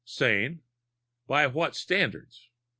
Sane? By what standards?